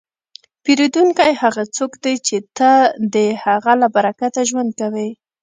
پیرودونکی هغه څوک دی چې ته د هغه له برکته ژوند کوې.